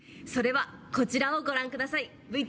それはこちらをご覧下さい。